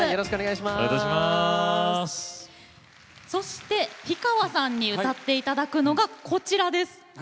そして氷川さんに歌っていただくのがこちら。